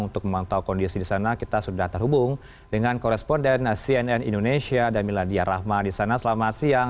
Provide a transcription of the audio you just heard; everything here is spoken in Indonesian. untuk memantau kondisi di sana kita sudah terhubung dengan koresponden cnn indonesia damiladya rahma di sana selama siang